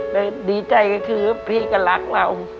โดยดีใจก็คือเพี้กระลักษณ์เรา